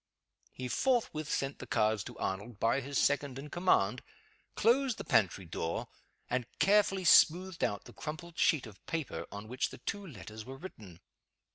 He forthwith sent the cards to Arnold by his second in command, closed the pantry door, and carefully smoothed out the crumpled sheet of paper on which the two letters were written.